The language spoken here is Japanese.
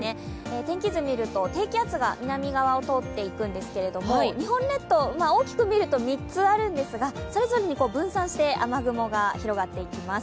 天気図を見ると低気圧が南側を通っていくんですけども、日本列島、大きく見ると３つあるんですがそれぞれに分散して雨雲が広がっていきます。